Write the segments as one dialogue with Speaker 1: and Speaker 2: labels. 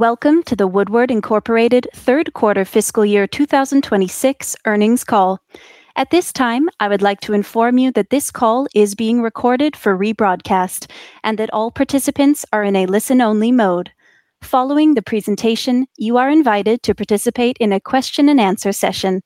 Speaker 1: Welcome to the Woodward, Inc. third quarter fiscal year 2026 earnings call. At this time, I would like to inform you that this call is being recorded for rebroadcast, and that all participants are in a listen-only mode. Following the presentation, you are invited to participate in a question and answer session.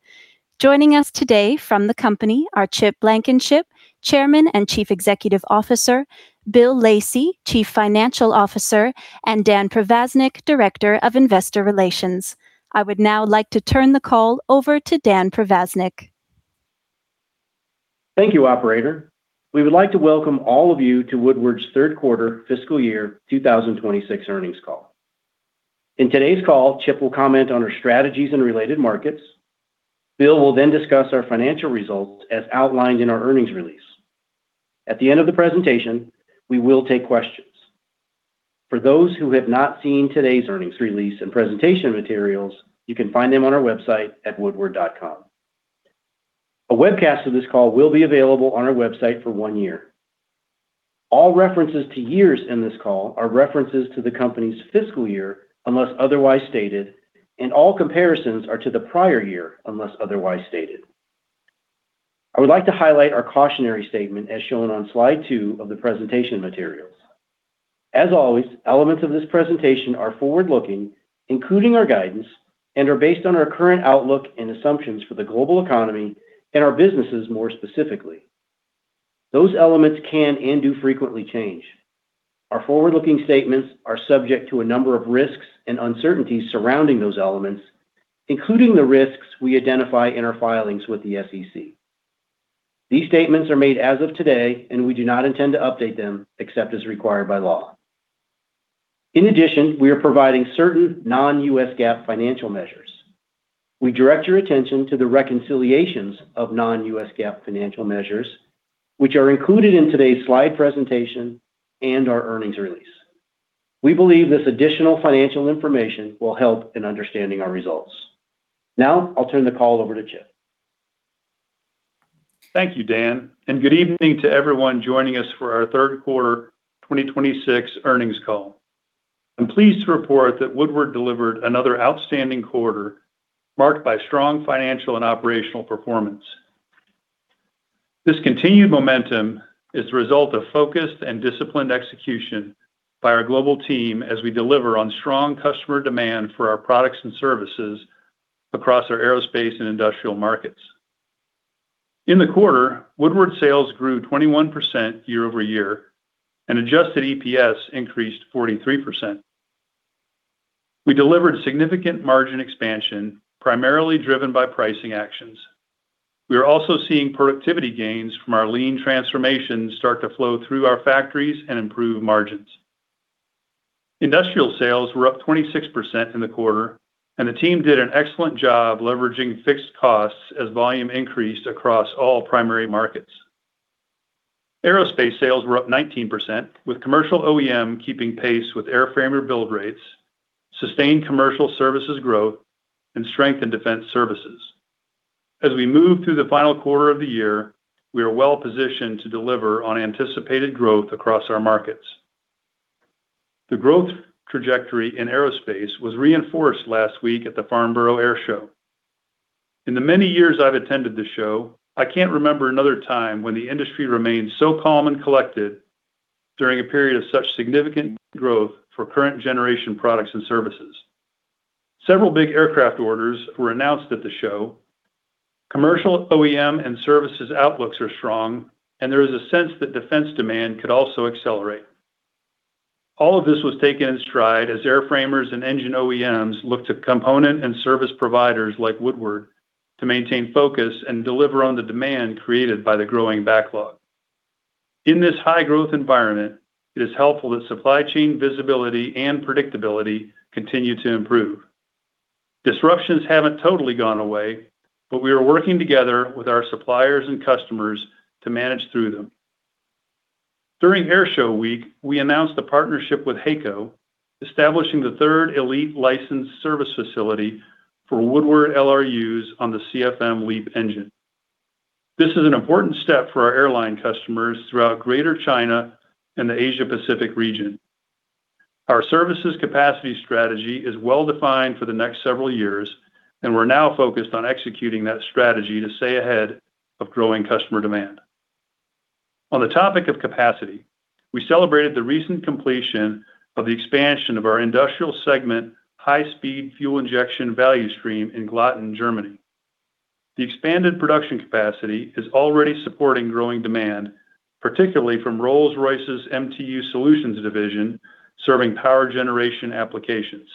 Speaker 1: Joining us today from the company are Chip Blankenship, Chairman and Chief Executive Officer, Bill Lacey, Chief Financial Officer, and Dan Provaznik, Director of Investor Relations. I would now like to turn the call over to Dan Provaznik.
Speaker 2: Thank you, operator. We would like to welcome all of you to Woodward's third quarter fiscal year 2026 earnings call. In today's call, Chip will comment on our strategies and related markets. Bill will discuss our financial results as outlined in our earnings release. At the end of the presentation, we will take questions. For those who have not seen today's earnings release and presentation materials, you can find them on our website at woodward.com. A webcast of this call will be available on our website for one year. All references to years in this call are references to the company's fiscal year, unless otherwise stated, and all comparisons are to the prior year, unless otherwise stated. I would like to highlight our cautionary statement as shown on slide two of the presentation materials. As always, elements of this presentation are forward-looking, including our guidance, are based on our current outlook and assumptions for the global economy and our businesses more specifically. Those elements can and do frequently change. Our forward-looking statements are subject to a number of risks and uncertainties surrounding those elements, including the risks we identify in our filings with the SEC. These statements are made as of today, we do not intend to update them except as required by law. In addition, we are providing certain non-U.S. GAAP financial measures. We direct your attention to the reconciliations of non-U.S. GAAP financial measures, which are included in today's slide presentation and our earnings release. We believe this additional financial information will help in understanding our results. Now, I'll turn the call over to Chip.
Speaker 3: Thank you, Dan. Good evening to everyone joining us for our third quarter 2026 earnings call. I'm pleased to report that Woodward delivered another outstanding quarter, marked by strong financial and operational performance. This continued momentum is the result of focused and disciplined execution by our global team as we deliver on strong customer demand for our products and services across our aerospace and industrial markets. In the quarter, Woodward sales grew 21% year-over-year, adjusted EPS increased 43%. We delivered significant margin expansion, primarily driven by pricing actions. We are also seeing productivity gains from our lean transformation start to flow through our factories and improve margins. Industrial sales were up 26% in the quarter, the team did an excellent job leveraging fixed costs as volume increased across all primary markets. Aerospace sales were up 19%, with commercial OEM keeping pace with airframer build rates, sustained commercial services growth, and strength in defense services. As we move through the final quarter of the year, we are well-positioned to deliver on anticipated growth across our markets. The growth trajectory in aerospace was reinforced last week at the Farnborough Airshow. In the many years I've attended the show, I can't remember another time when the industry remained so calm and collected during a period of such significant growth for current generation products and services. Several big aircraft orders were announced at the show. Commercial OEM and services outlooks are strong. There is a sense that defense demand could also accelerate. All of this was taken in stride as airframers and engine OEMs look to component and service providers like Woodward to maintain focus and deliver on the demand created by the growing backlog. In this high-growth environment, it is helpful that supply chain visibility and predictability continue to improve. Disruptions haven't totally gone away, but we are working together with our suppliers and customers to manage through them. During Airshow Week, we announced a partnership with HAECO, establishing the third elite licensed service facility for Woodward LRUs on the CFM LEAP engine. This is an important step for our airline customers throughout Greater China and the Asia-Pacific region. Our services capacity strategy is well-defined for the next several years. We're now focused on executing that strategy to stay ahead of growing customer demand. On the topic of capacity, we celebrated the recent completion of the expansion of our industrial segment high-speed fuel injection value stream in Glatten, Germany. The expanded production capacity is already supporting growing demand, particularly from Rolls-Royce's mtu Solutions division, serving power generation applications.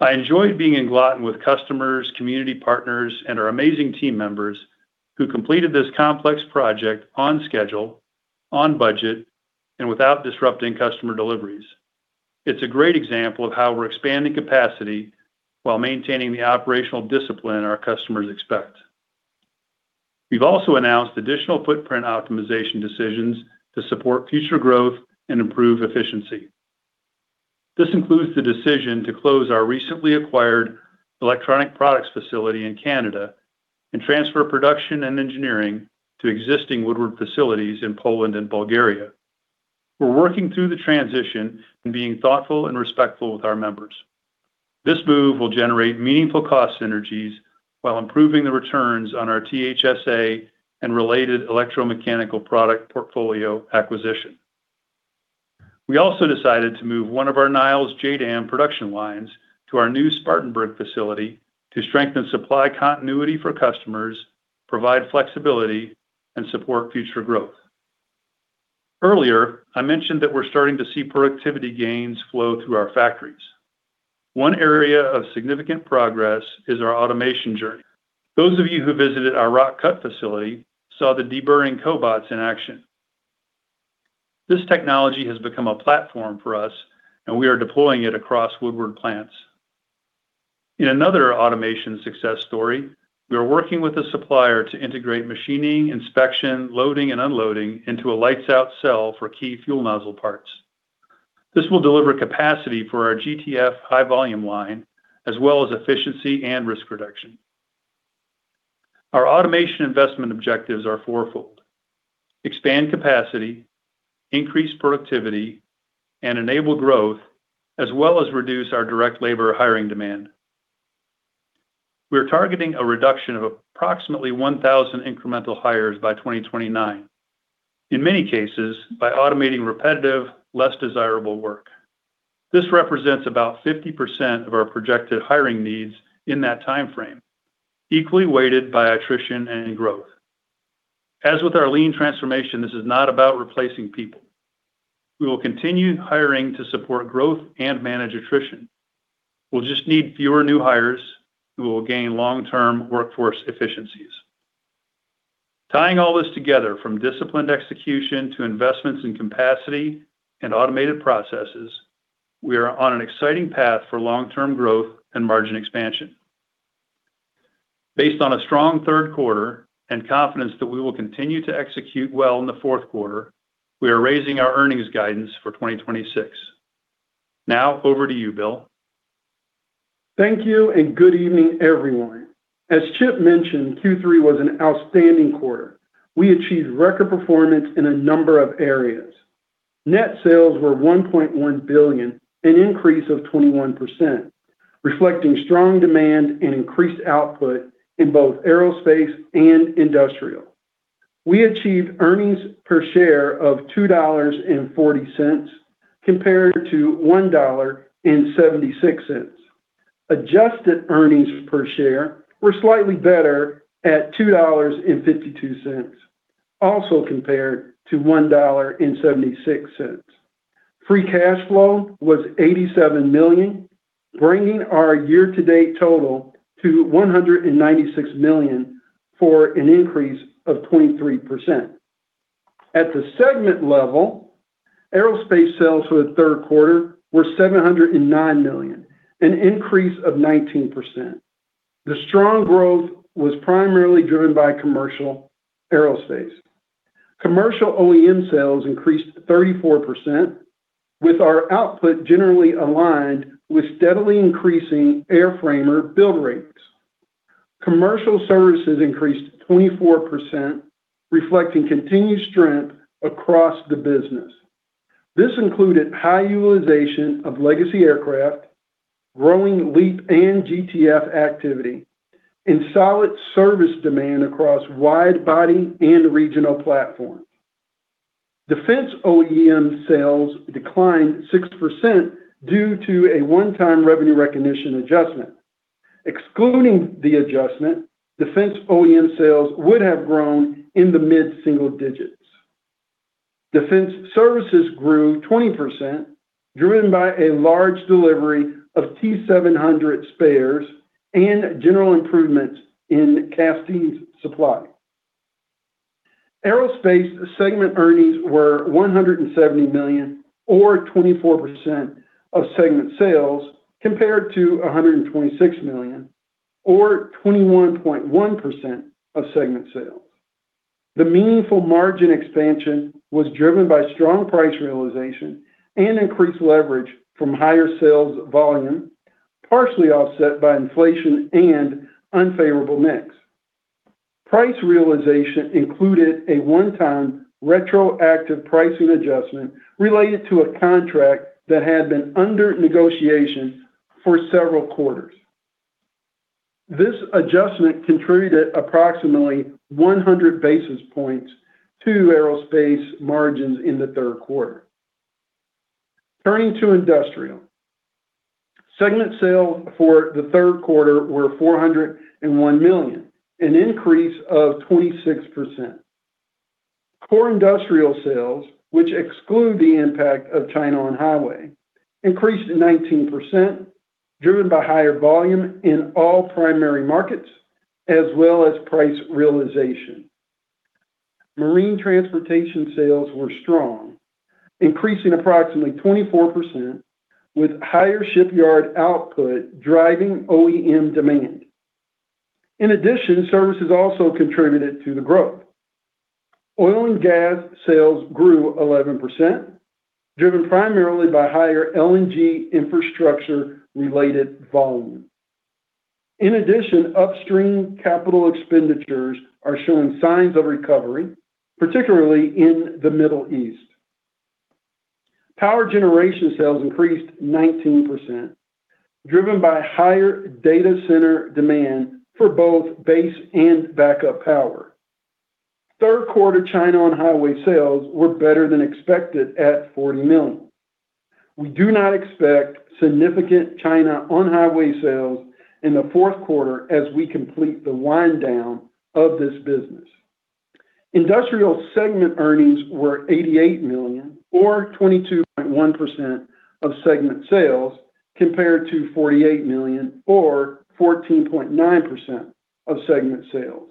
Speaker 3: I enjoyed being in Glatten with customers, community partners, and our amazing team members who completed this complex project on schedule, on budget, and without disrupting customer deliveries. It's a great example of how we're expanding capacity while maintaining the operational discipline our customers expect. We've also announced additional footprint optimization decisions to support future growth and improve efficiency. This includes the decision to close our recently acquired electronic products facility in Canada. Transfer production and engineering to existing Woodward facilities in Poland and Bulgaria. We're working through the transition and being thoughtful and respectful with our members. This move will generate meaningful cost synergies while improving the returns on our THSA and related electromechanical product portfolio acquisition. We also decided to move one of our Niles JDAM production lines to our new Spartanburg facility to strengthen supply continuity for customers, provide flexibility, and support future growth. Earlier, I mentioned that we're starting to see productivity gains flow through our factories. One area of significant progress is our automation journey. Those of you who visited our Rock Cut facility saw the deburring cobots in action. This technology has become a platform for us. We are deploying it across Woodward plants. In another automation success story, we are working with a supplier to integrate machining, inspection, loading, and unloading into a lights-out cell for key fuel nozzle parts. This will deliver capacity for our GTF high-volume line, as well as efficiency and risk reduction. Our automation investment objectives are fourfold: expand capacity, increase productivity, and enable growth, as well as reduce our direct labor hiring demand. We're targeting a reduction of approximately 1,000 incremental hires by 2029, in many cases, by automating repetitive, less desirable work. This represents about 50% of our projected hiring needs in that timeframe, equally weighted by attrition and growth. As with our lean transformation, this is not about replacing people. We will continue hiring to support growth and manage attrition. We'll just need fewer new hires who will gain long-term workforce efficiencies. Tying all this together from disciplined execution to investments in capacity and automated processes, we are on an exciting path for long-term growth and margin expansion. Based on a strong third quarter and confidence that we will continue to execute well in the fourth quarter, we are raising our earnings guidance for 2026. Now over to you, Bill.
Speaker 4: Thank you, good evening, everyone. As Chip mentioned, Q3 was an outstanding quarter. We achieved record performance in a number of areas. Net sales were $1.1 billion, an increase of 21%, reflecting strong demand and increased output in both aerospace and industrial. We achieved earnings per share of $2.40 compared to $1.76. Adjusted earnings per share were slightly better at $2.52, also compared to $1.76. Free cash flow was $87 million, bringing our year-to-date total to $196 million, for an increase of 23%. At the segment level, aerospace sales for the third quarter were $709 million, an increase of 19%. The strong growth was primarily driven by commercial aerospace. Commercial OEM sales increased 34%, with our output generally aligned with steadily increasing airframer build rates. Commercial services increased 24%, reflecting continued strength across the business. This included high utilization of legacy aircraft, growing LEAP and GTF activity, and solid service demand across wide-body and regional platforms. Defense OEM sales declined 6% due to a one-time revenue recognition adjustment. Excluding the adjustment, defense OEM sales would have grown in the mid-single digits. Defense services grew 20%, driven by a large delivery of T700 spares and general improvements in castings supply. Aerospace segment earnings were $170 million or 24% of segment sales, compared to $126 million or 21.1% of segment sales. The meaningful margin expansion was driven by strong price realization and increased leverage from higher sales volume, partially offset by inflation and unfavorable mix. Price realization included a one-time retroactive pricing adjustment related to a contract that had been under negotiation for several quarters. This adjustment contributed approximately 100 basis points to aerospace margins in the third quarter. Turning to industrial. Segment sales for the third quarter were $401 million, an increase of 26%. Core industrial sales, which exclude the impact of China on-highway, increased to 19%, driven by higher volume in all primary markets as well as price realization. Marine transportation sales were strong, increasing approximately 24%, with higher shipyard output driving OEM demand. Services also contributed to the growth. Oil and gas sales grew 11%, driven primarily by higher LNG infrastructure-related volume. Upstream capital expenditures are showing signs of recovery, particularly in the Middle East. Power generation sales increased 19%, driven by higher data center demand for both base and backup power. Third quarter China on-highway sales were better than expected at $40 million. We do not expect significant China on-highway sales in the fourth quarter as we complete the wind down of this business. Industrial segment earnings were $88 million, or 22.1% of segment sales, compared to $48 million, or 14.9% of segment sales.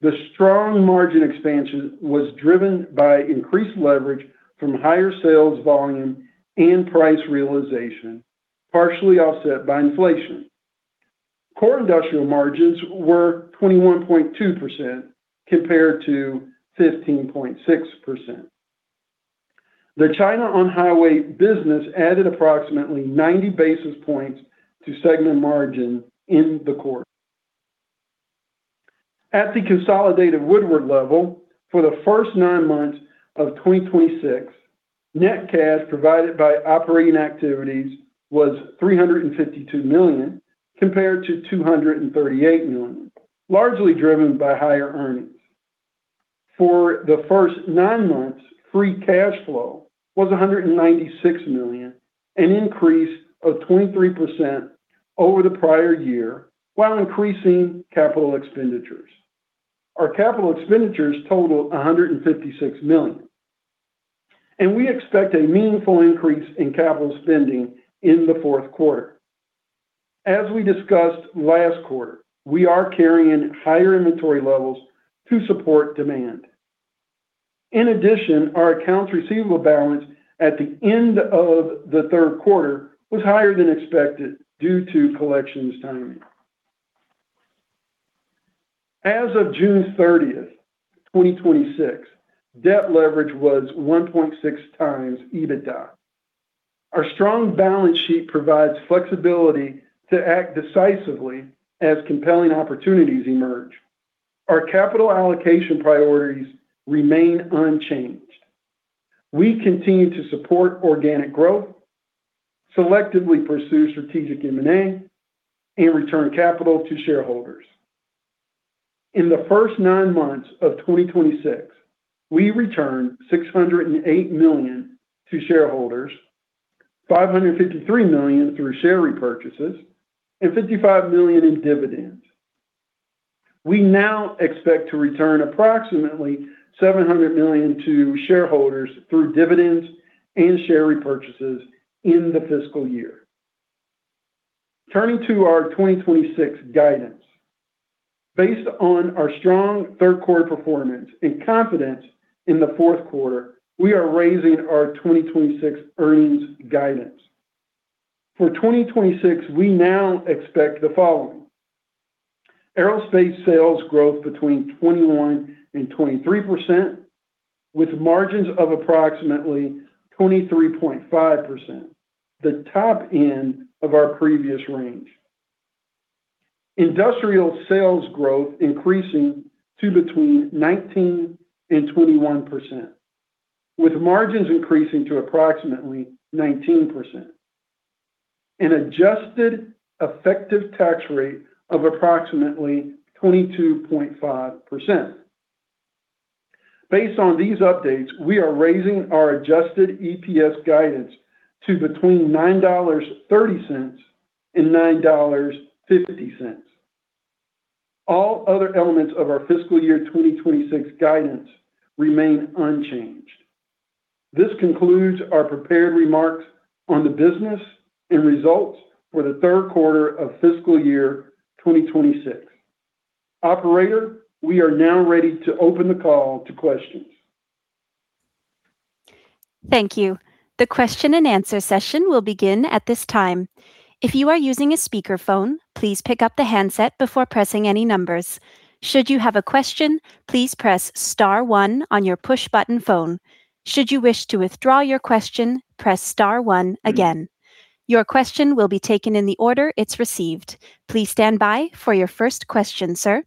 Speaker 4: The strong margin expansion was driven by increased leverage from higher sales volume and price realization, partially offset by inflation. Core industrial margins were 21.2% compared to 15.6%. The China on-highway business added approximately 90 basis points to segment margin in the quarter. At the consolidated Woodward level for the first nine months of 2026, net cash provided by operating activities was $352 million, compared to $238 million, largely driven by higher earnings. For the first nine months, free cash flow was $196 million, an increase of 23% over the prior year while increasing capital expenditures. Our capital expenditures totaled $156 million, and we expect a meaningful increase in capital spending in the fourth quarter. As we discussed last quarter, we are carrying higher inventory levels to support demand. Our accounts receivable balance at the end of the third quarter was higher than expected due to collections timing. As of June 30th, 2026, debt leverage was 1.6 times EBITDA. Our strong balance sheet provides flexibility to act decisively as compelling opportunities emerge. Our capital allocation priorities remain unchanged. We continue to support organic growth, selectively pursue strategic M&A, and return capital to shareholders. In the first nine months of 2026, we returned $608 million to shareholders, $553 million through share repurchases, and $55 million in dividends. We now expect to return approximately $700 million to shareholders through dividends and share repurchases in the fiscal year. Turning to our 2026 guidance. Based on our strong third quarter performance and confidence in the fourth quarter, we are raising our 2026 earnings guidance. For 2026, we now expect the following. Aerospace sales growth between 21% and 23%, with margins of approximately 23.5%, the top end of our previous range. Industrial sales growth increasing to between 19% and 21%, with margins increasing to approximately 19%. An adjusted effective tax rate of approximately 22.5%. Based on these updates, we are raising our adjusted EPS guidance to between $9.30 and $9.50. All other elements of our fiscal year 2026 guidance remain unchanged. This concludes our prepared remarks on the business and results for the third quarter of fiscal year 2026. Operator, we are now ready to open the call to questions.
Speaker 1: Thank you. The question and answer session will begin at this time. If you are using a speakerphone, please pick up the handset before pressing any numbers. Should you have a question, please press star one on your push button phone. Should you wish to withdraw your question, press star one again. Your question will be taken in the order it's received. Please stand by for your first question, sir.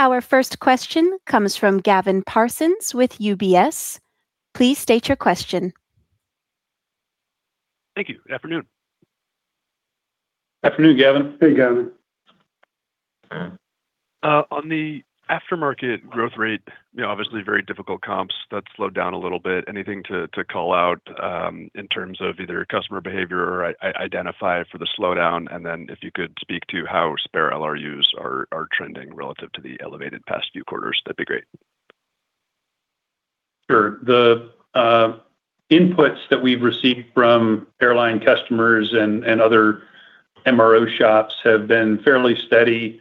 Speaker 1: Our first question comes from Gavin Parsons with UBS. Please state your question.
Speaker 5: Thank you. Good afternoon.
Speaker 3: Afternoon, Gavin.
Speaker 4: Hey, Gavin.
Speaker 5: On the aftermarket growth rate, obviously very difficult comps. That slowed down a little bit. Anything to call out in terms of either customer behavior or identify for the slowdown? If you could speak to how spare LRUs are trending relative to the elevated past few quarters, that'd be great.
Speaker 3: Sure. The inputs that we've received from airline customers and other MRO shops have been fairly steady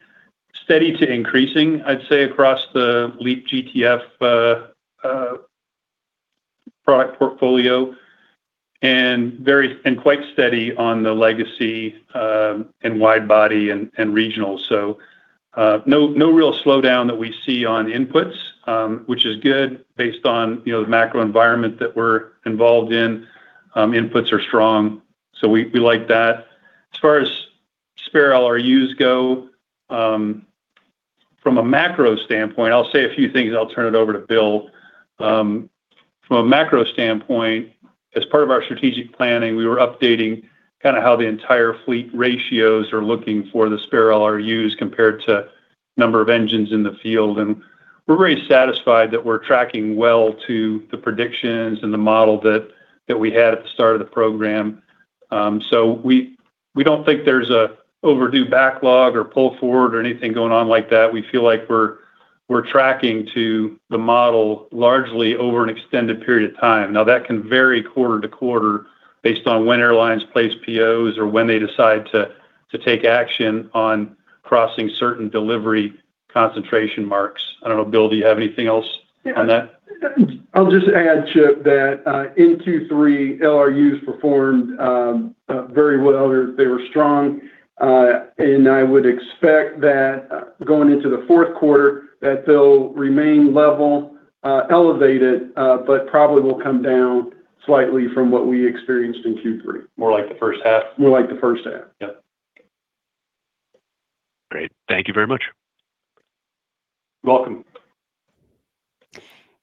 Speaker 3: to increasing, I'd say, across the LEAP-GTF. Quite steady on the legacy, and wide body, and regional. No real slowdown that we see on inputs, which is good based on the macro environment that we're involved in. Inputs are strong, we like that. As far as spare LRUs go, from a macro standpoint, I'll say a few things, then I'll turn it over to Bill. From a macro standpoint, as part of our strategic planning, we were updating how the entire fleet ratios are looking for the spare LRUs compared to number of engines in the field. We're very satisfied that we're tracking well to the predictions and the model that we had at the start of the program. We don't think there's an overdue backlog or pull forward or anything going on like that. We feel like we're tracking to the model largely over an extended period of time. Now, that can vary quarter to quarter based on when airlines place POs or when they decide to take action on crossing certain delivery concentration marks. I don't know, Bill, do you have anything else on that?
Speaker 4: I'll just add, Chip, that in Q3, LRUs performed very well. They were strong. I would expect that going into the fourth quarter, that they'll remain level, elevated, but probably will come down slightly from what we experienced in Q3.
Speaker 5: More like the first half?
Speaker 3: More like the first half.
Speaker 4: Yep.
Speaker 5: Great. Thank you very much.
Speaker 3: You're welcome.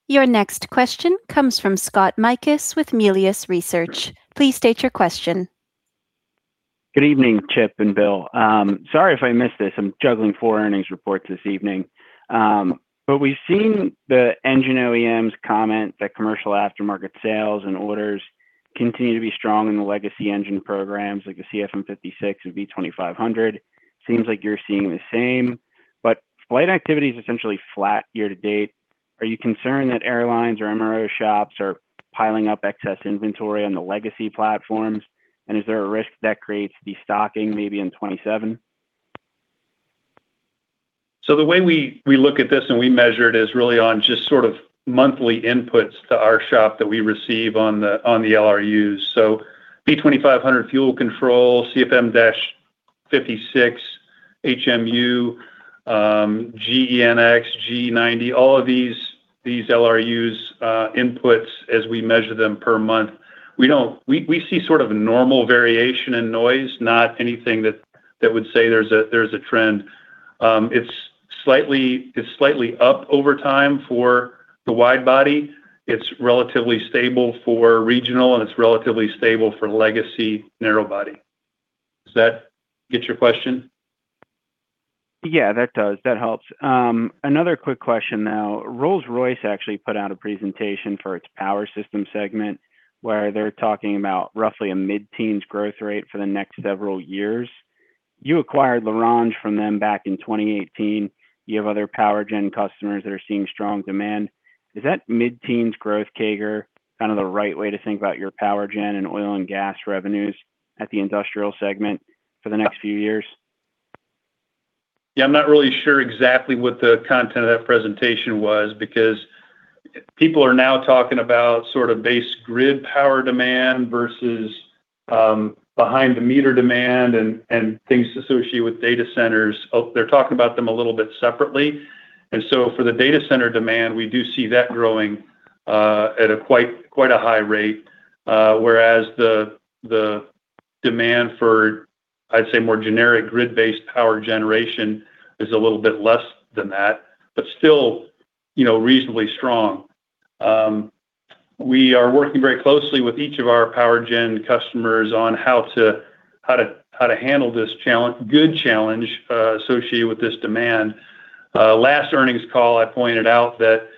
Speaker 1: Your next question comes from Scott Mikus with Melius Research. Please state your question.
Speaker 6: Good evening, Chip and Bill. Sorry if I missed this. I am juggling 4 earnings reports this evening. We've seen the engine OEMs comment that commercial aftermarket sales and orders continue to be strong in the legacy engine programs like the CFM56 and V2500. Seems like you're seeing the same, but flight activity's essentially flat year to date. Are you concerned that airlines or MRO shops are piling up excess inventory on the legacy platforms? And is there a risk that creates de-stocking maybe in 2027?
Speaker 3: The way we look at this and we measure it is really on just sort of monthly inputs to our shop that we receive on the LRUs. V2500 fuel control, CFM56, HMU, GEnx, GE90, all of these LRUs inputs as we measure them per month. We see sort of a normal variation in noise, not anything that would say there's a trend. It's slightly up over time for the wide body. It's relatively stable for regional, and it's relatively stable for legacy narrow body. Does that get your question?
Speaker 6: Yeah, that does. That helps. Another quick question now. Rolls-Royce actually put out a presentation for its power system segment, where they're talking about roughly a mid-teens growth rate for the next several years. You acquired L'Orange from them back in 2018. You have other power gen customers that are seeing strong demand. Is that mid-teens growth CAGR kind of the right way to think about your power gen and oil and gas revenues at the industrial segment for the next few years?
Speaker 3: Yeah, I'm not really sure exactly what the content of that presentation was because people are now talking about sort of base grid power demand versus behind the meter demand and things associated with data centers. They're talking about them a little bit separately. For the data center demand, we do see that growing at quite a high rate. Whereas the demand for, I'd say, more generic grid-based power generation is a little bit less than that, but still reasonably strong. We are working very closely with each of our power gen customers on how to handle this good challenge associated with this demand. Last earnings call, I pointed out that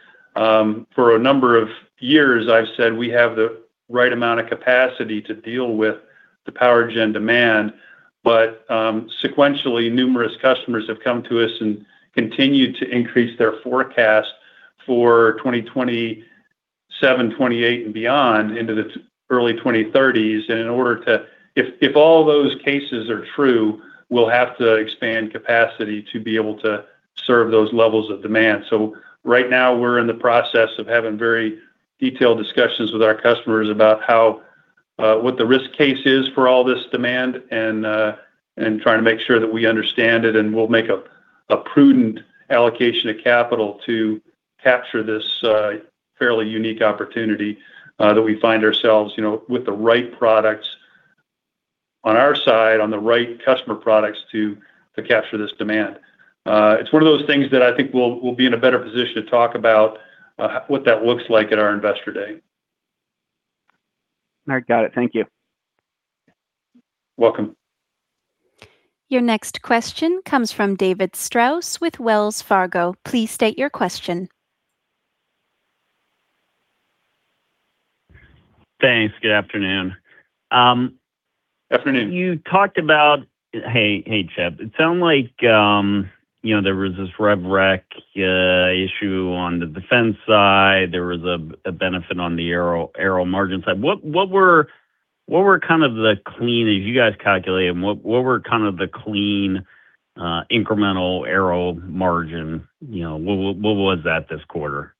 Speaker 3: for a number of years, I've said we have the right amount of capacity to deal with the power gen demand. Sequentially, numerous customers have come to us and continued to increase their forecast for 2027, 2028 and beyond into the early 2030s. If all those cases are true, we'll have to expand capacity to be able to serve those levels of demand. Right now, we're in the process of having very detailed discussions with our customers about what the risk case is for all this demand and trying to make sure that we understand it, and we'll make a prudent allocation of capital to capture this fairly unique opportunity that we find ourselves with the right products on our side, on the right customer products to capture this demand. It's one of those things that I think we'll be in a better position to talk about what that looks like at our Investor Day.
Speaker 6: All right. Got it. Thank you.
Speaker 3: You're welcome.
Speaker 1: Your next question comes from David Strauss with Wells Fargo. Please state your question.
Speaker 7: Thanks. Good afternoon.
Speaker 3: Afternoon.
Speaker 7: Hey, Chip. It sounded like there was this rev rec issue on the defense side. There was a benefit on the Aero margin side. As you guys calculate them, what were kind of the clean Incremental Aero margin, what was that this quarter?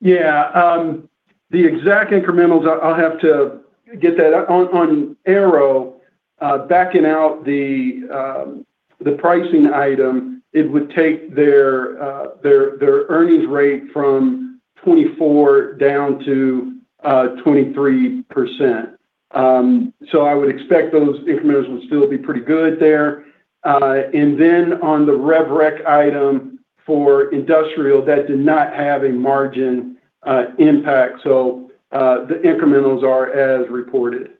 Speaker 4: Yeah. The exact incrementals, I'll have to get that. On Aero, backing out the pricing item, it would take their earnings rate from 24 down to 23%. I would expect those incrementals will still be pretty good there. On the rev rec item for Industrial, that did not have a margin impact. The incrementals are as reported.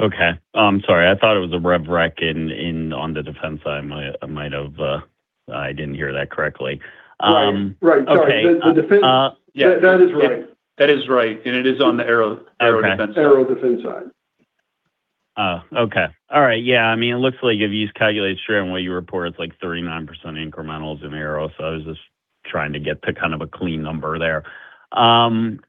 Speaker 7: Okay. I'm sorry. I thought it was a rev rec on the defense side. I didn't hear that correctly.
Speaker 4: Right. Sorry.
Speaker 7: Okay.
Speaker 4: The defense-
Speaker 7: Yeah.
Speaker 4: That is right.
Speaker 3: That is right, and it is on the Aero Defense side.
Speaker 4: Aero Defense side.
Speaker 7: Oh, okay. All right. Yeah. It looks like if you use calculated share and what you report, it is like 39% incrementals in Aero, I was just trying to get to a clean number there. On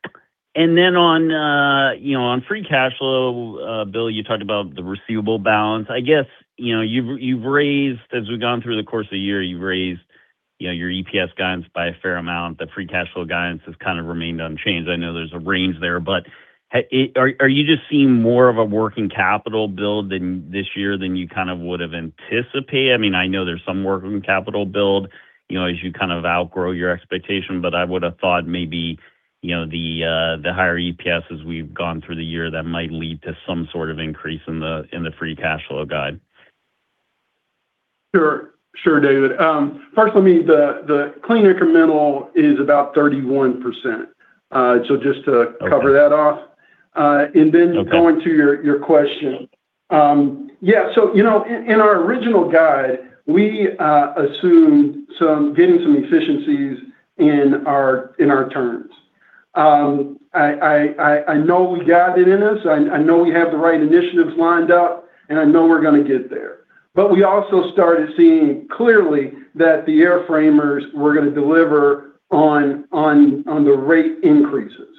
Speaker 7: free cash flow, Bill, you talked about the receivable balance. I guess, as we have gone through the course of the year, you have raised your EPS guidance by a fair amount. The free cash flow guidance has kind of remained unchanged. I know there is a range there, but are you just seeing more of a working capital build this year than you would have anticipated? I know there is some working capital build, as you outgrow your expectation, but I would have thought maybe the higher EPS as we have gone through the year, that might lead to some sort of increase in the free cash flow guide.
Speaker 4: Sure, David. First, The clean incremental is about 31%, just to cover that off.
Speaker 7: Okay.
Speaker 4: Going to your question. In our original guide, we assumed getting some efficiencies in our turns. I know we got it in us, I know we have the right initiatives lined up, and I know we're going to get there. We also started seeing clearly that the airframers were going to deliver on the rate increases.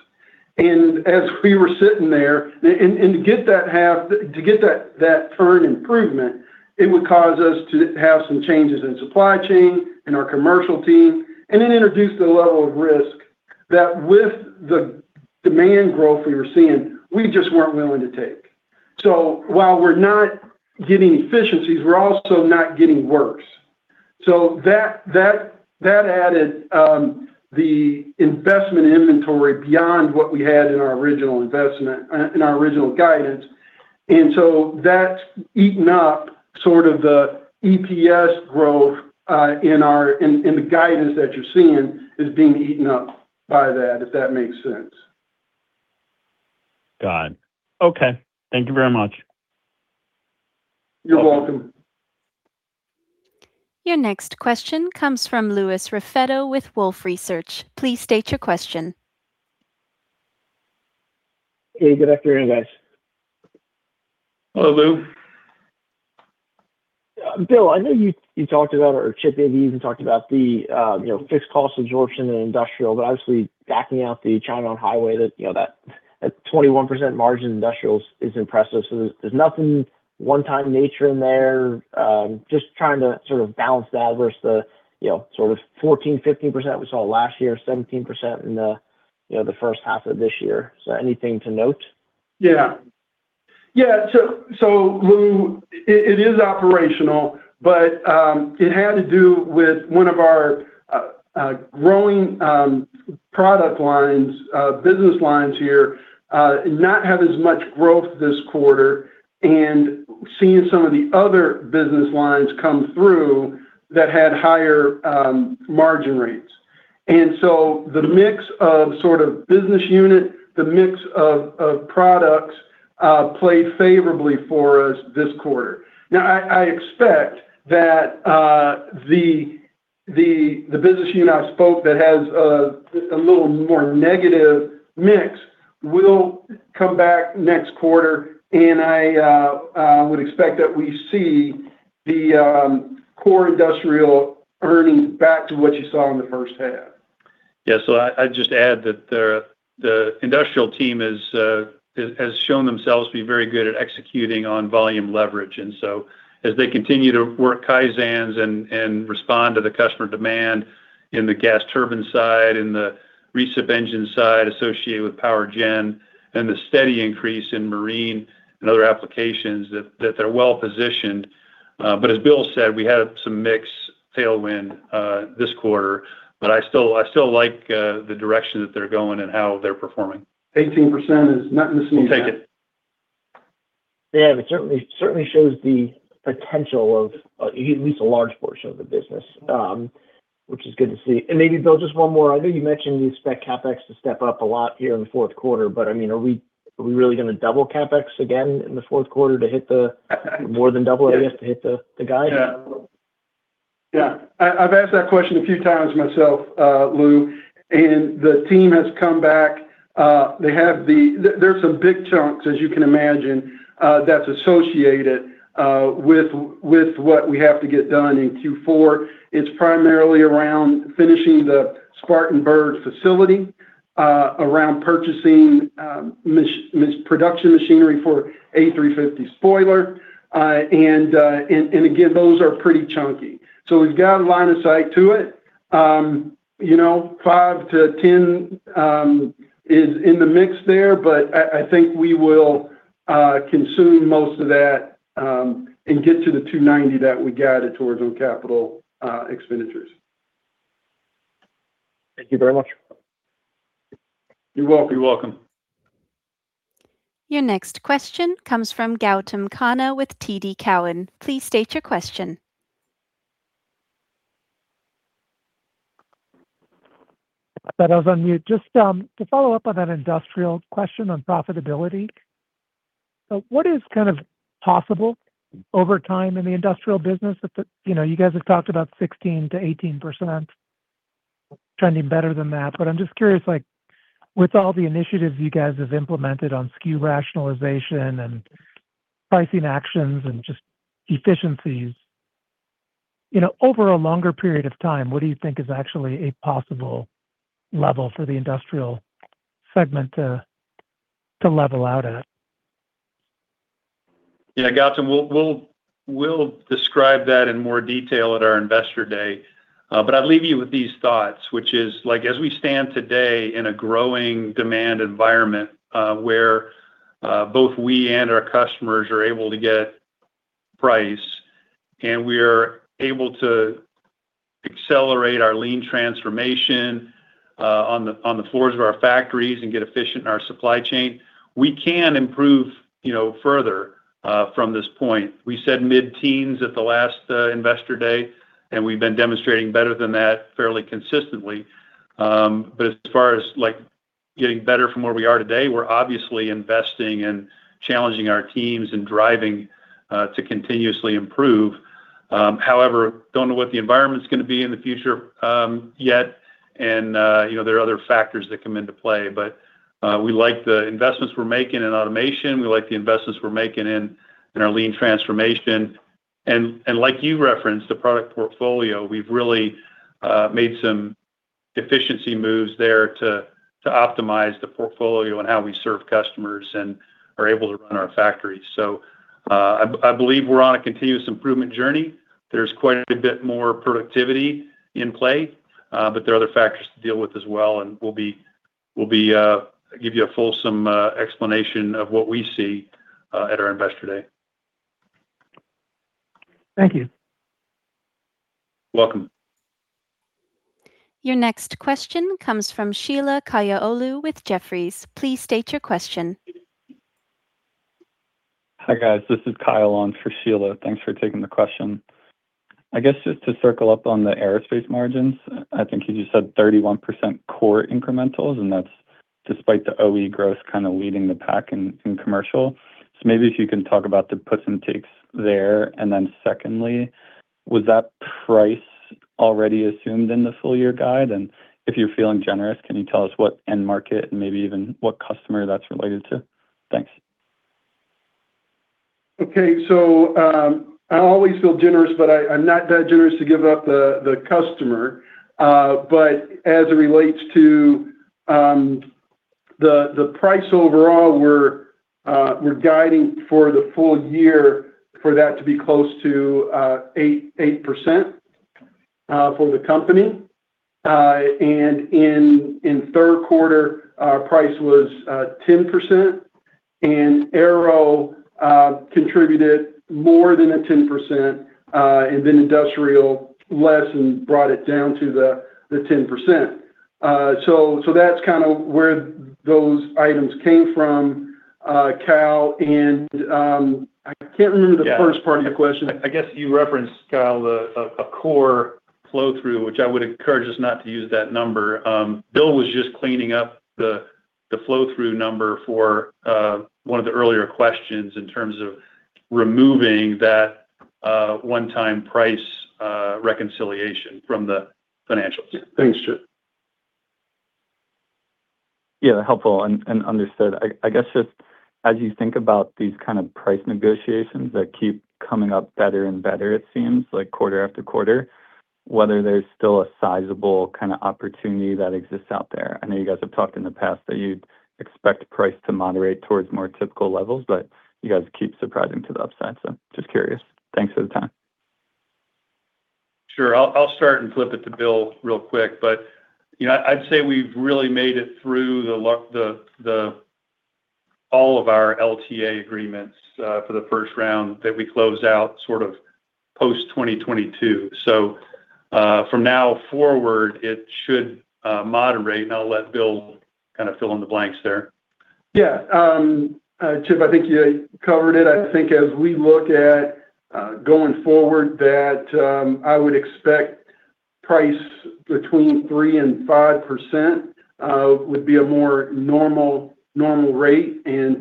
Speaker 4: As we were sitting there. To get that turn improvement, it would cause us to have some changes in supply chain and our commercial team, then introduce the level of risk that with the demand growth we were seeing, we just weren't willing to take. While we're not getting efficiencies, we're also not getting worse. That added the investment inventory beyond what we had in our original guidance. That's eaten up the EPS growth in the guidance that you're seeing is being eaten up by that, if that makes sense.
Speaker 7: Got it. Okay. Thank you very much.
Speaker 4: You're welcome.
Speaker 1: Your next question comes from Louis Raffetto with Wolfe Research. Please state your question.
Speaker 8: Hey, good afternoon, guys.
Speaker 3: Hello, Lou.
Speaker 8: Bill, I know you talked about, or Chip, maybe even talked about the fixed cost absorption in Industrial, obviously backing out the China on highway, that 21% margin in Industrial is impressive. There's nothing one-time nature in there? Just trying to sort of balance that versus the sort of 14%-15% we saw last year, 17% in the first half of this year. Is there anything to note?
Speaker 4: Lou, it is operational, but it had to do with one of our growing product lines, business lines here, not have as much growth this quarter and seeing some of the other business lines come through that had higher margin rates. The mix of business unit, the mix of products played favorably for us this quarter. I expect that the business unit I spoke that has a little more negative mix will come back next quarter, and I would expect that we see the core industrial earnings back to what you saw in the first half.
Speaker 3: I'd just add that the industrial team has shown themselves to be very good at executing on volume leverage. As they continue to work Kaizen and respond to the customer demand in the gas turbine side, in the recip engine side associated with power gen, and the steady increase in marine and other applications, that they're well-positioned. As Bill said, we had some mix tailwind this quarter, I still like the direction that they're going and how they're performing.
Speaker 4: 18% is nothing to sneeze at.
Speaker 3: We'll take it.
Speaker 8: Yeah. It certainly shows the potential of at least a large portion of the business, which is good to see. Maybe, Bill, just one more. I know you mentioned you expect CapEx to step up a lot here in the fourth quarter, but are we really going to double CapEx again in the fourth quarter, more than double, I guess, to hit the guide?
Speaker 4: Yeah. I've asked that question a few times myself, Lou, the team has come back. There's some big chunks, as you can imagine, that's associated with what we have to get done in Q4. It's primarily around finishing the Spartanburg facility, around purchasing production machinery for A350 spoiler. Again, those are pretty chunky. We've got line of sight to it. Five to 10 is in the mix there, but I think we will consume most of that, and get to the 290 that we guided towards on capital expenditures.
Speaker 8: Thank you very much.
Speaker 4: You're welcome.
Speaker 3: You're welcome.
Speaker 1: Your next question comes from Gautam Khanna with TD Cowen. Please state your question.
Speaker 9: I thought I was on mute. Just to follow up on that industrial question on profitability, what is possible over time in the industrial business? You guys have talked about 16%-18%, trending better than that, but I'm just curious, with all the initiatives you guys have implemented on SKU rationalization and pricing actions and just efficiencies. Over a longer period of time, what do you think is actually a possible level for the industrial segment to level out at?
Speaker 3: Yeah, Gautam, we'll describe that in more detail at our Investor Day. I'd leave you with these thoughts, which is as we stand today in a growing demand environment where both we and our customers are able to get price. We are able to accelerate our lean transformation on the floors of our factories and get efficient in our supply chain, we can improve further from this point. We said mid-teens at the last Investor Day. We've been demonstrating better than that fairly consistently. As far as getting better from where we are today, we're obviously investing and challenging our teams and driving to continuously improve. However, don't know what the environment's going to be in the future yet. There are other factors that come into play. We like the investments we're making in automation. We like the investments we're making in our lean transformation. Like you referenced, the product portfolio, we've really made some efficiency moves there to optimize the portfolio and how we serve customers and are able to run our factories. I believe we're on a continuous improvement journey. There's quite a bit more productivity in play, but there are other factors to deal with as well, and we'll give you a fulsome explanation of what we see at our Investor Day.
Speaker 9: Thank you.
Speaker 3: Welcome.
Speaker 1: Your next question comes from Sheila Kahyaoglu with Jefferies. Please state your question.
Speaker 10: Hi, guys. This is Kyle on for Sheila. Thanks for taking the question. I guess just to circle up on the aerospace margins, I think you just said 31% core incrementals, and that's despite the OE gross kind of leading the pack in commercial. Maybe if you can talk about the puts and takes there, and then secondly, was that price already assumed in the full year guide? If you're feeling generous, can you tell us what end market and maybe even what customer that's related to? Thanks.
Speaker 4: I always feel generous, but I'm not that generous to give up the customer. As it relates to the price overall, we're guiding for the full year for that to be close to 8% for the company. In third quarter, our price was 10%, and aero contributed more than a 10%, and then industrial less and brought it down to the 10%. That's kind of where those items came from, Kyle, and I can't remember the first part of your question.
Speaker 3: I guess you referenced, Kyle, a core flow-through, which I would encourage us not to use that number. Bill was just cleaning up the flow-through number for one of the earlier questions in terms of removing that one-time price reconciliation from the financials.
Speaker 4: Yeah. Thanks, Chip.
Speaker 10: Yeah, helpful and understood. I guess just as you think about these kind of price negotiations that keep coming up better and better, it seems like quarter after quarter, whether there's still a sizable opportunity that exists out there. I know you guys have talked in the past that you'd expect price to moderate towards more typical levels, You guys keep surprising to the upside, Just curious. Thanks for the time.
Speaker 3: Sure. I'll start and flip it to Bill real quick, but I'd say we've really made it through all of our LTA agreements for the first round that we closed out sort of post-2022. From now forward, it should moderate, and I'll let Bill kind of fill in the blanks there.
Speaker 4: Yeah. Chip, I think you covered it. I think as we look at going forward, that I would expect price between 3% and 5% would be a more normal rate. Price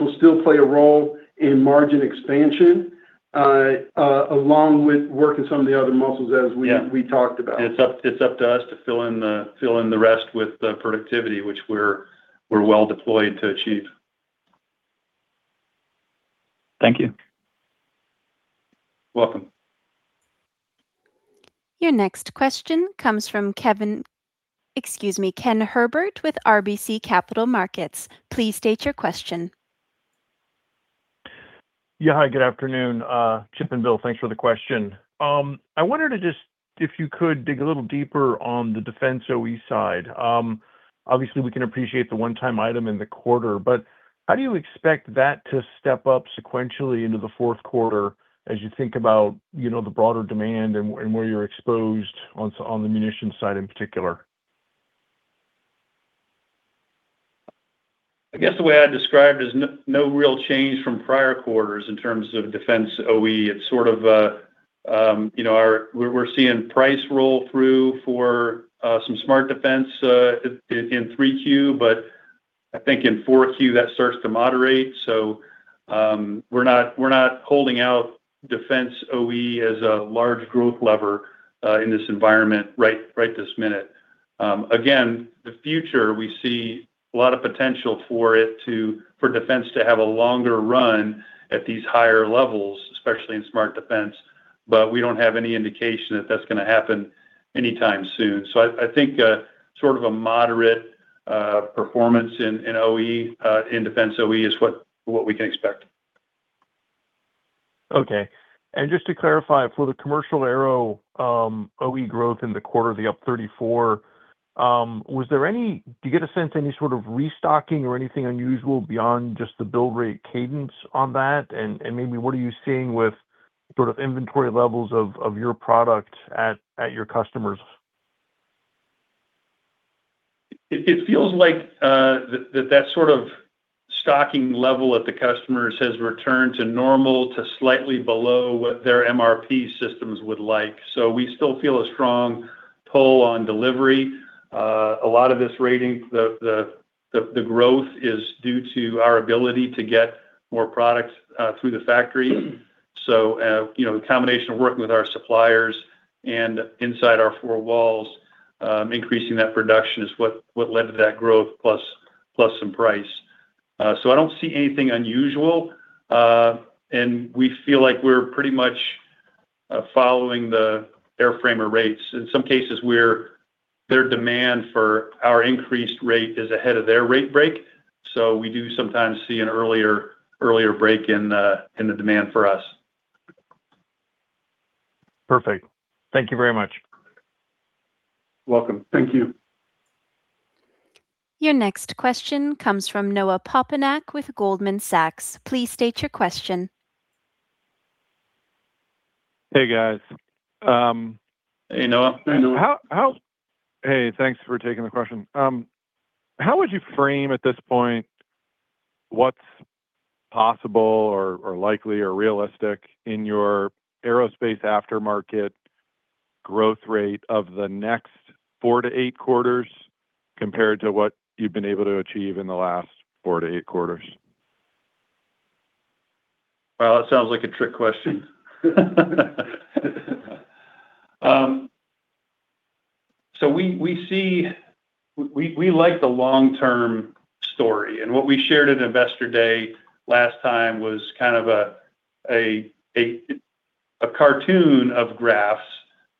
Speaker 4: will still play a role in margin expansion, along with working some of the other muscles as we talked about.
Speaker 3: Yeah. It's up to us to fill in the rest with the productivity, which we're well deployed to achieve.
Speaker 10: Thank you.
Speaker 3: Welcome.
Speaker 1: Your next question comes from Ken Herbert with RBC Capital Markets. Please state your question.
Speaker 11: Yeah. Hi, good afternoon. Chip and Bill, thanks for the question. I wonder if you could dig a little deeper on the defense OE side. Obviously, we can appreciate the one-time item in the quarter, but how do you expect that to step up sequentially into the fourth quarter as you think about the broader demand and where you're exposed on the munition side in particular?
Speaker 3: I guess the way I described is no real change from prior quarters in terms of defense OE. We're seeing price roll through for some smart defense in Q3, but I think in Q4 that starts to moderate. We're not holding out defense OE as a large growth lever in this environment right this minute. Again, the future, we see a lot of potential for defense to have a longer run at these higher levels, especially in smart defense. We don't have any indication that's going to happen anytime soon. I think sort of a moderate performance in defense OE is what we can expect.
Speaker 11: Okay. Just to clarify, for the commercial aero OE growth in the quarter, the up 34%, do you get a sense any sort of restocking or anything unusual beyond just the bill rate cadence on that? Maybe what are you seeing with sort of inventory levels of your product at your customers?
Speaker 3: It feels like that sort of stocking level at the customers has returned to normal to slightly below what their MRP systems would like. We still feel a strong pull on delivery. A lot of this growth is due to our ability to get more product through the factory. A combination of working with our suppliers and inside our four walls, increasing that production is what led to that growth, plus some price. I don't see anything unusual. We feel like we're pretty much following the airframer rates. In some cases, their demand for our increased rate is ahead of their rate break, so we do sometimes see an earlier break in the demand for us.
Speaker 11: Perfect. Thank you very much.
Speaker 3: Welcome. Thank you.
Speaker 1: Your next question comes from Noah Poponak with Goldman Sachs. Please state your question.
Speaker 12: Hey, guys.
Speaker 3: Hey, Noah.
Speaker 12: Hey, thanks for taking the question. How would you frame, at this point, what's possible or likely or realistic in your aerospace aftermarket growth rate of the next four to eight quarters compared to what you've been able to achieve in the last four to eight quarters?
Speaker 3: Well, that sounds like a trick question. We like the long-term story, and what we shared at Investor Day last time was kind of a cartoon of graphs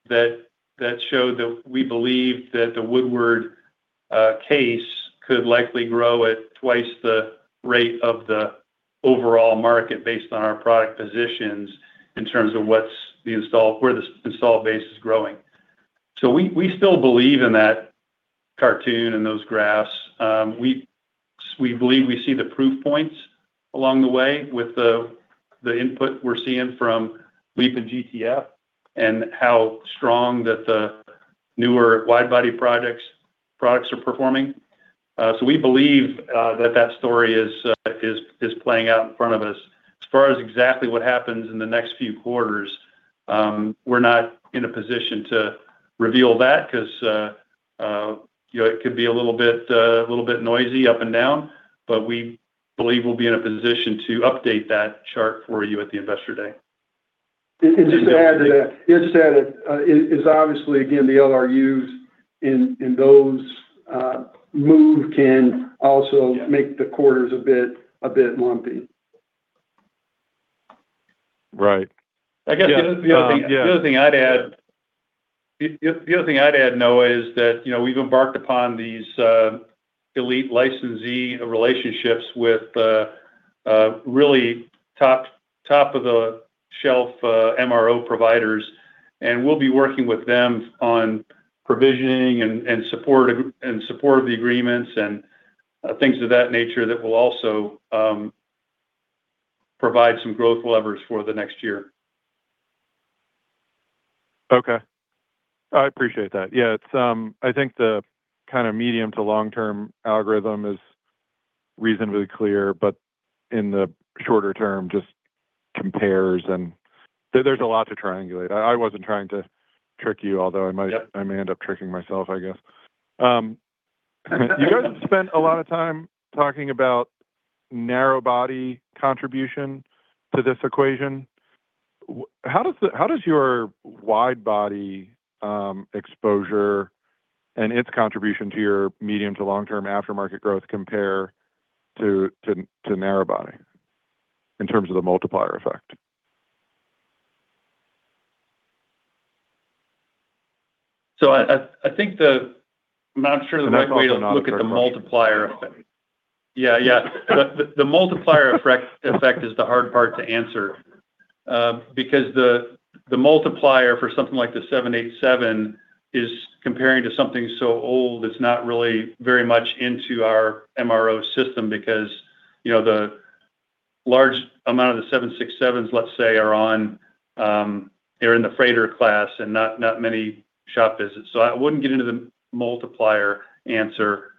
Speaker 3: that showed that we believe that the Woodward case could likely grow at twice the rate of the overall market based on our product positions in terms of where the install base is growing. We still believe in that cartoon and those graphs. We believe we see the proof points along the way with the input we're seeing from LEAP and GTF, and how strong that the newer wide body products are performing. We believe that story is playing out in front of us. As far as exactly what happens in the next few quarters, we're not in a position to reveal that because it could be a little bit noisy up and down. We believe we'll be in a position to update that chart for you at the Investor Day.
Speaker 4: Just to add to that, it's obviously, again, the LRUs in those move can also make the quarters a bit lumpy.
Speaker 12: Right. Yeah.
Speaker 3: The other thing I'd add, Noah, is that we've embarked upon these elite licensee relationships with really top of the shelf MRO providers, and we'll be working with them on provisioning and support of the agreements and things of that nature that will also provide some growth levers for the next year.
Speaker 12: Okay. I appreciate that. I think the kind of medium to long-term algorithm is reasonably clear, but in the shorter term, just compares and there's a lot to triangulate. I wasn't trying to trick you, although I may end up tricking myself, I guess. You guys have spent a lot of time talking about narrow body contribution to this equation. How does your wide body exposure and its contribution to your medium to long-term aftermarket growth compare to narrow body in terms of the multiplier effect?
Speaker 3: I'm not sure the best way-
Speaker 12: That's also a non-fair question.
Speaker 3: To look at the multiplier effect. The multiplier effect is the hard part to answer. The multiplier for something like the 787 is comparing to something so old, it's not really very much into our MRO system because the large amount of the 767s, let's say, are in the freighter class and not many shop visits. I wouldn't get into the multiplier answer.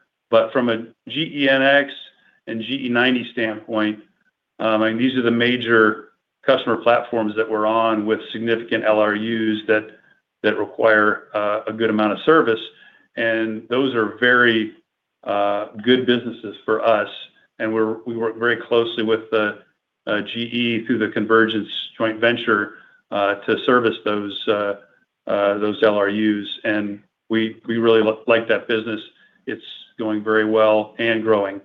Speaker 3: From a GEnx and GE90 standpoint, these are the major customer platforms that we're on with significant LRUs that require a good amount of service, and those are very good businesses for us, and we work very closely with GE through the Convergence joint venture, to service those LRUs. We really like that business. It's doing very well and growing.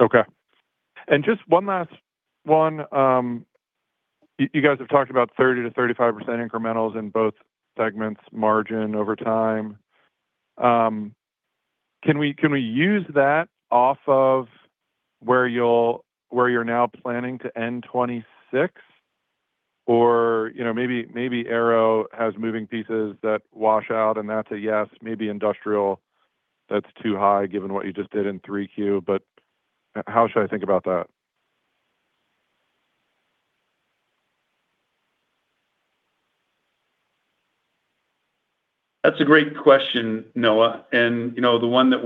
Speaker 12: Okay. Just one last one. You guys have talked about 30%-35% incrementals in both segments, margin over time. Can we use that off of where you're now planning to end 2026? Maybe Aero has moving pieces that wash out and that's a yes, maybe industrial that's too high given what you just did in 3Q. How should I think about that?
Speaker 3: That's a great question, Noah. The one that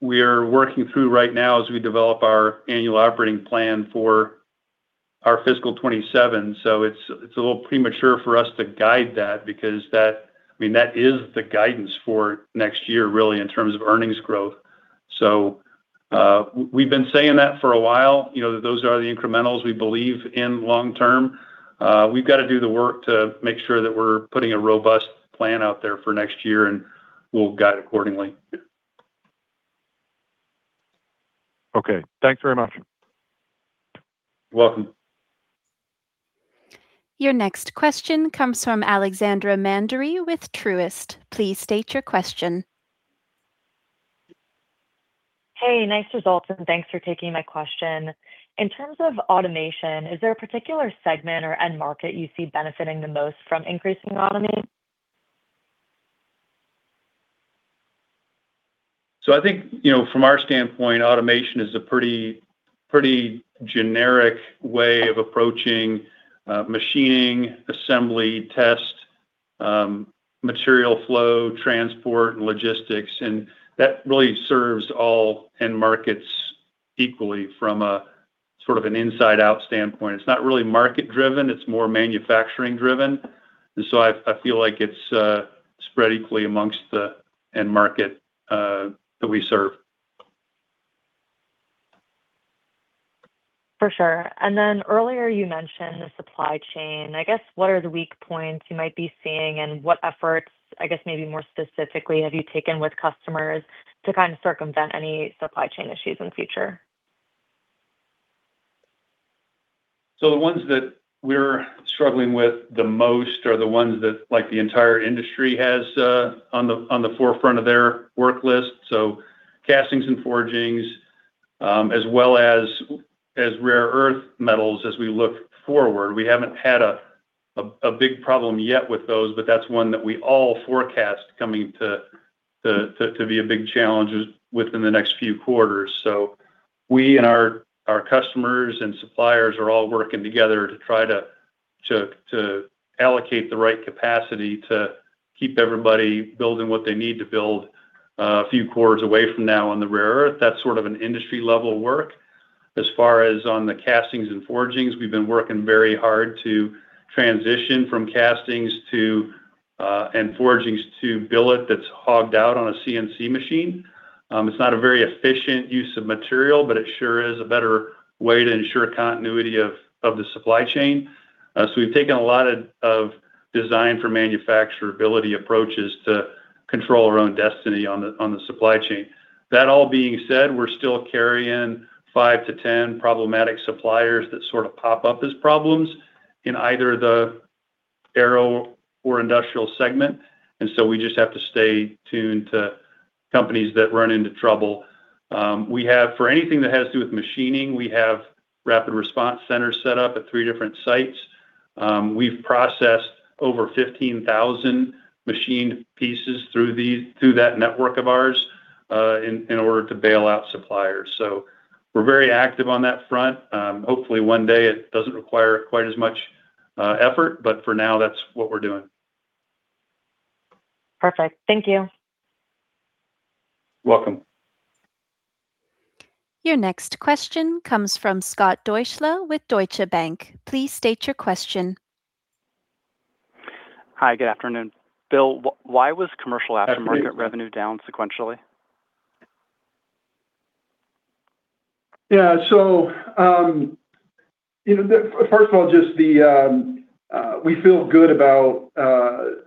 Speaker 3: we are working through right now as we develop our annual operating plan for our fiscal 2027. It's a little premature for us to guide that because that is the guidance for next year, really, in terms of earnings growth. We've been saying that for a while, that those are the incrementals we believe in long-term. We've got to do the work to make sure that we're putting a robust plan out there for next year, and we'll guide accordingly.
Speaker 12: Okay. Thanks very much.
Speaker 3: Welcome.
Speaker 1: Your next question comes from Alexandra Mandery with Truist. Please state your question.
Speaker 13: Hey, nice results and thanks for taking my question. In terms of automation, is there a particular segment or end market you see benefiting the most from increasing automation?
Speaker 3: I think, from our standpoint, automation is a pretty generic way of approaching machining, assembly test, material flow, transport, and logistics. That really serves all end markets equally from a sort of an inside out standpoint. It's not really market-driven. It's more manufacturing-driven. I feel like it's spread equally amongst the end market that we serve.
Speaker 13: For sure. Earlier you mentioned the supply chain. I guess, what are the weak points you might be seeing and what efforts, I guess maybe more specifically, have you taken with customers to kind of circumvent any supply chain issues in the future?
Speaker 3: The ones that we're struggling with the most are the ones that the entire industry has on the forefront of their work list, so castings and forgings, as well as rare earth metals as we look forward. We haven't had a big problem yet with those, that's one that we all forecast coming to be a big challenge within the next few quarters. We and our customers and suppliers are all working together to try to allocate the right capacity to keep everybody building what they need to build a few quarters away from now on the rare earth. That's sort of an industry level work. As far as on the castings and forgings, we've been working very hard to transition from castings and forgings to billet that's hogged out on a CNC machine. It's not a very efficient use of material, but it sure is a better way to ensure continuity of the supply chain. We've taken a lot of design for manufacturability approaches to control our own destiny on the supply chain. That all being said, we're still carrying five to 10 problematic suppliers that sort of pop up as problems in either the Aero or industrial segment, we just have to stay tuned to companies that run into trouble. For anything that has to do with machining, we have rapid response centers set up at three different sites. We've processed over 15,000 machine pieces through that network of ours, in order to bail out suppliers. We're very active on that front. Hopefully one day it doesn't require quite as much effort, but for now, that's what we're doing.
Speaker 13: Perfect. Thank you.
Speaker 3: Welcome.
Speaker 1: Your next question comes from Scott Deuschle with Deutsche Bank. Please state your question.
Speaker 14: Hi, good afternoon. Bill, why was commercial aftermarket revenue down sequentially?
Speaker 4: First of all, we feel good about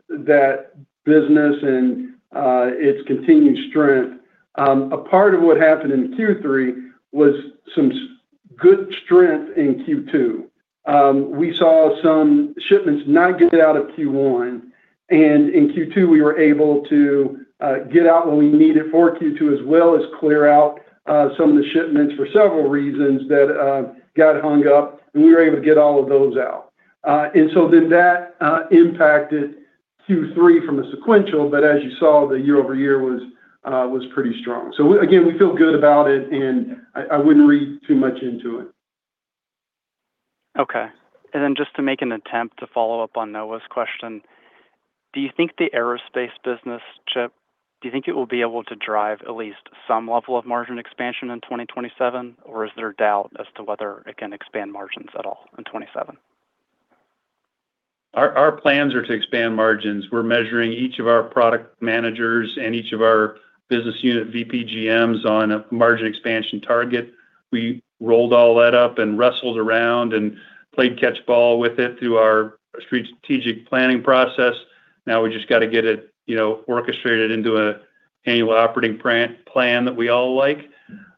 Speaker 4: that business and its continued strength. A part of what happened in Q3 was some good strength in Q2. We saw some shipments not get out of Q1, and in Q2, we were able to get out what we needed for Q2, as well as clear out some of the shipments for several reasons that got hung up, and we were able to get all of those out. That impacted Q3 from the sequential, but as you saw, the year-over-year was pretty strong. Again, we feel good about it, and I wouldn't read too much into it.
Speaker 14: Okay. Just to make an attempt to follow up on Noah's question, do you think the aerospace business, Chip, do you think it will be able to drive at least some level of margin expansion in 2027, or is there doubt as to whether it can expand margins at all in 2027?
Speaker 3: Our plans are to expand margins. We're measuring each of our product managers and each of our business unit VP GMs on a margin expansion target. We rolled all that up and wrestled around and played catch ball with it through our strategic planning process. We just got to get it orchestrated into an annual operating plan that we all like.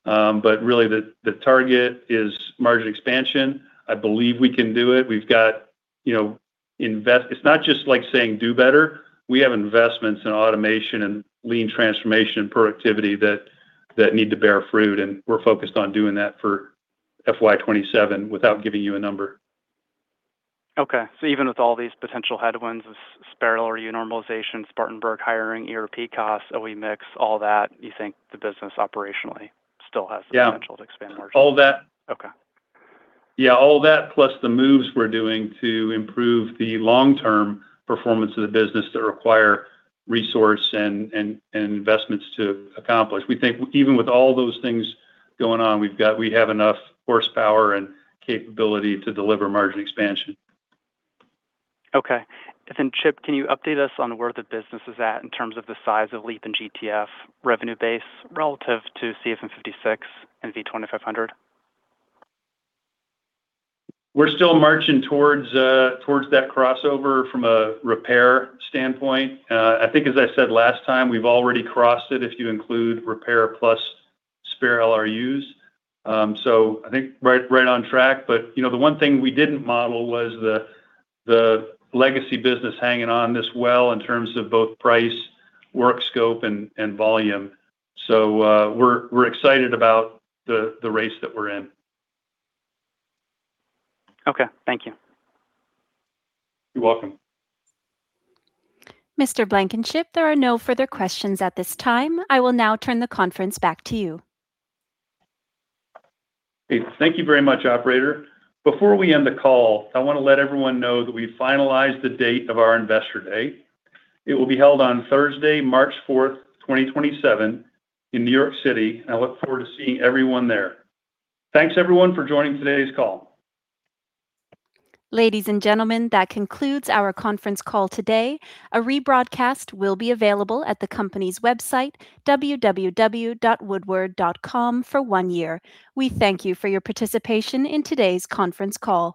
Speaker 3: Really, the target is margin expansion. I believe we can do it. It's not just like saying, "Do better." We have investments in automation and lean transformation productivity that need to bear fruit, and we're focused on doing that for FY 2027 without giving you a number.
Speaker 14: Okay. Even with all these potential headwinds of spare LRU normalization, Spartanburg hiring, ERP costs, OE mix, all that, you think the business operationally still has?
Speaker 3: Yeah.
Speaker 14: the potential to expand margins?
Speaker 3: All that.
Speaker 14: Okay.
Speaker 3: Yeah, all that plus the moves we're doing to improve the long-term performance of the business that require resource and investments to accomplish. We think even with all those things going on, we have enough horsepower and capability to deliver margin expansion.
Speaker 14: Okay. Then Chip, can you update us on where the business is at in terms of the size of LEAP and GTF revenue base relative to CFM56 and V2500?
Speaker 3: We're still marching towards that crossover from a repair standpoint. I think as I said last time, we've already crossed it if you include repair plus spare LRUs. I think right on track. The one thing we didn't model was the legacy business hanging on this well in terms of both price, work scope, and volume. We're excited about the race that we're in.
Speaker 14: Okay. Thank you.
Speaker 3: You're welcome.
Speaker 1: Mr. Blankenship, there are no further questions at this time. I will now turn the conference back to you.
Speaker 3: Okay. Thank you very much, operator. Before we end the call, I want to let everyone know that we finalized the date of our Investor Day. It will be held on Thursday, March 4th, 2027 in New York City, and I look forward to seeing everyone there. Thanks everyone for joining today's call.
Speaker 1: Ladies and gentlemen, that concludes our conference call today. A rebroadcast will be available at the company's website, www.woodward.com, for one year. We thank you for your participation in today's conference call.